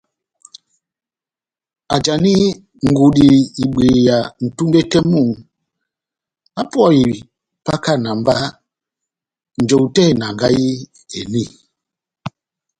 ajani ngudi ibweya nʼtumbe tɛh mu apɔhe ipakana mba njɔwu tɛh enangahi eni.